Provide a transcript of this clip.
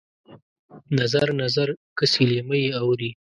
نظر، نظر کسي لېمه یې اورې